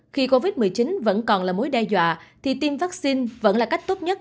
khi covid một mươi chín vẫn còn là mối đe dọa thì tiêm vaccine vẫn là cách tốt nhất